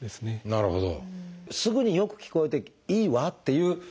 なるほど。